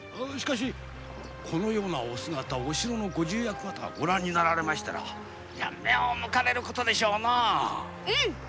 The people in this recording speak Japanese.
このようなお姿をお城のご重役方がご覧になられましたら目をむかれるでしょうなうん。